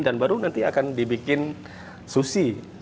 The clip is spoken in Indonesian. dan baru nanti akan dibikin susi